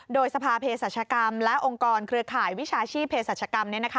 โดยสภาเพศรัชกรรมและองค์กรเครือข่ายวิชาชีพเพศรัชกรรม